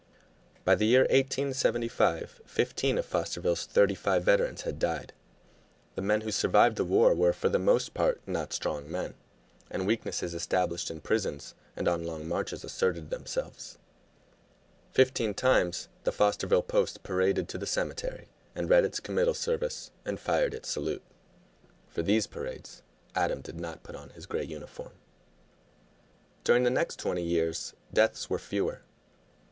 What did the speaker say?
By the year 1875 fifteen of Fosterville's thirty five veterans had died. The men who survived the war were, for the most part, not strong men, and weaknesses established in prisons and on long marches asserted themselves. Fifteen times the Fosterville Post paraded to the cemetery and read its committal service and fired its salute. For these parades Adam did not put on his gray uniform. During the next twenty years deaths were fewer.